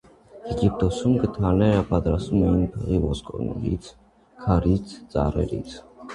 Եգիպտոսում գդալները պատրաստում էին փղի ոսկորներից, քարից, ծառից։